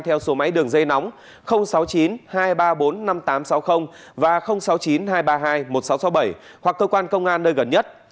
theo số máy đường dây nóng sáu mươi chín hai trăm ba mươi bốn năm nghìn tám trăm sáu mươi và sáu mươi chín hai trăm ba mươi hai một nghìn sáu trăm sáu mươi bảy hoặc cơ quan công an nơi gần nhất